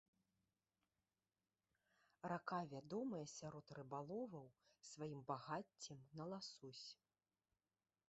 Рака вядомая сярод рыбаловаў сваім багаццем на ласось.